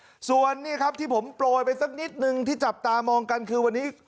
ส่วนนี่ครับที่ผมโปรยไปสักนิดนึงที่จับตามองกันคือวันนี้